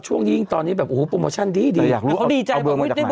ช่วงนี้ยิ่งตอนนี้แบบโอ้โหโปรโมชั่นดีดีแต่อยากรู้เอาเบอร์มาจากไหนเนี่ยเขาดีใจ